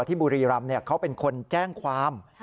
ที่บุรีรัมเนี่ยเขาเป็นคนแจ้งความ